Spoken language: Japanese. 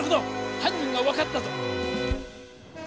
犯人が分かったぞ！